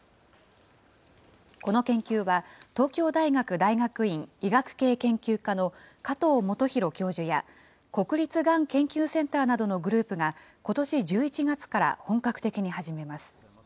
この研究は、東京大学大学院医学系研究科の加藤元博教授や、国立がん研究センターなどのグループが、ことし１１月から本格的に始めます。